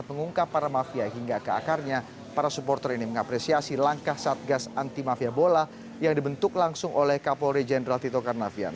mengungkap para mafia hingga ke akarnya para supporter ini mengapresiasi langkah satgas anti mafia bola yang dibentuk langsung oleh kapolri jenderal tito karnavian